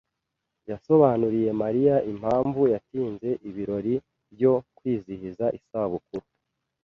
Yasobanuriye Mariya impamvu yatinze ibirori byo kwizihiza isabukuru.